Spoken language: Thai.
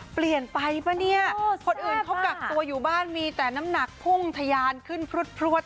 เปลี่ยนไปป่ะเนี่ยคนอื่นเขากักตัวอยู่บ้านมีแต่น้ำหนักพุ่งทะยานขึ้นพลวด